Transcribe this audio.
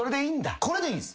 これでいいんす。